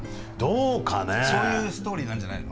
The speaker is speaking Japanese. そういうストーリーなんじゃないの？